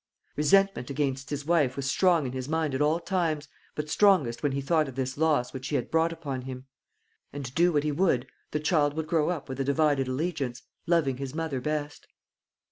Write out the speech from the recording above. Resentment against his wife was strong in his mind at all times, but strongest when he thought of this loss which she had brought upon him. And do what he would, the child would grow up with a divided allegiance, loving his mother best.